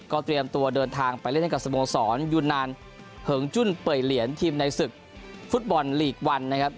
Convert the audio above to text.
เตรียมตัวเดินทางไปเล่นให้กับสโมสรยูนานเหิงจุ้นเป่ยเหรียญทีมในศึกฟุตบอลลีกวันนะครับ